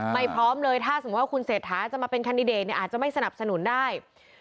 พร้อมเลยถ้าสมมุติว่าคุณเศรษฐาจะมาเป็นแคนดิเดตอาจจะไม่สนับสนุนได้